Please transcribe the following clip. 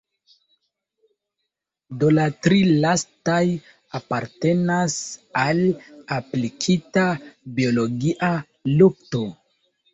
Do la tri lastaj apartenas al aplikita biologia lukto.